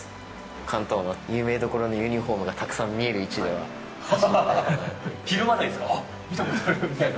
関東の有名どころのユニホームがたくさん見える位置で走りたいかなっていう。